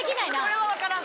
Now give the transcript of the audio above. それは分からん。